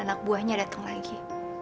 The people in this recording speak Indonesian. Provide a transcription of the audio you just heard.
dan anak buahnya datang lagi